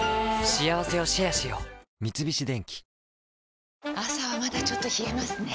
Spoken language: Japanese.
三菱電機朝はまだちょっと冷えますねぇ。